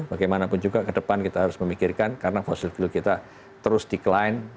bagaimanapun juga ke depan kita harus memikirkan karena fossil fuel kita terus decline